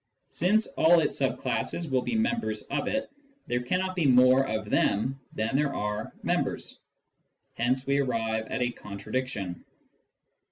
Since all its sub classes will be members of it, there cannot be more of them than there are members. Hence we arrive at a contradiction.